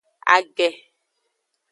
Age.